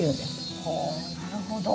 ほうなるほど。